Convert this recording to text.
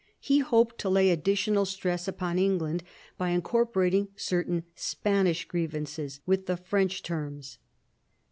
He hoped to lay additional stress upon England by incorporating certain Spanish grievances with the French terms.